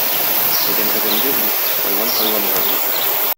Адәм адәмгә иш, хайван хайванга иш.